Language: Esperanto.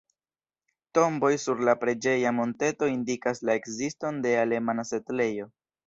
Tomboj sur la preĝeja monteto indikas la ekziston de alemana setlejo.